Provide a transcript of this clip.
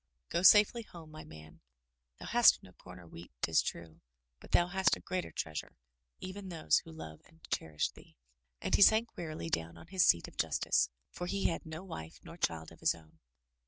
Go safely home, my man. Thou hast no com or wheat, 'tis tme, but thou hast a greater treasure — even those who love and cherish thee." And he sank wearily down on his seat of justice, for he had no wife nor child of his own.